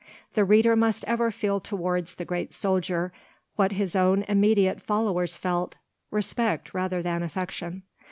The reader must ever feel towards the great soldier what his own immediate followers felt, respect rather than affection.